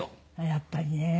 やっぱりね。